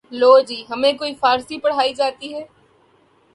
لو جی ہمیں کوئی فارسی پڑھائی جاتی ہے